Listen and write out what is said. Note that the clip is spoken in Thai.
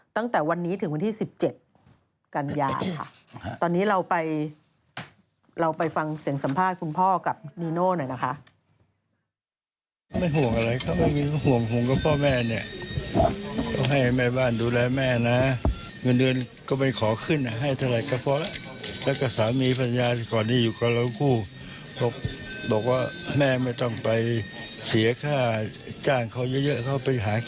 ตั้งแต่วันนี้ถึงวันที่๑๗กันยา